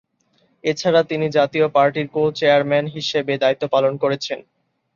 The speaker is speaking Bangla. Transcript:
এছাড়া তিনি জাতীয় পার্টির কো-চেয়ারম্যান হিসেবে দায়িত্ব পালন করেছেন।